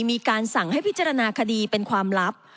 มีการสั่งให้พิจารณาคดีเป็นความลับ